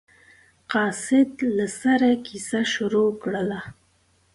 قاصد له سره کیسه شروع کړله.